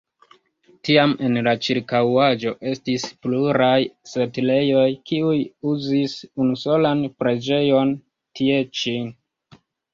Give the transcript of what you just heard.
Tiam en la ĉirkaŭaĵo estis pluraj setlejoj, kiuj uzis unusolan preĝejon tie ĉi.